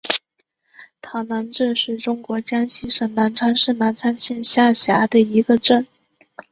塘南镇是中国江西省南昌市南昌县下辖的一个镇。